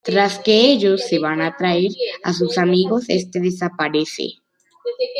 Tras que ellos se van a traer a sus amigos, este desaparece.